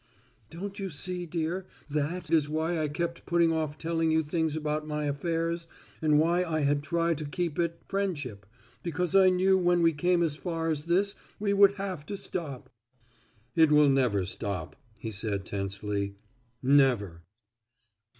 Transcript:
"Don't you see, dear, that is why I kept putting off telling you things about my affairs, and why I had tried to keep it friendship, because I knew when we came as far as this we would have to stop." "It will never stop," he said tensely, "never."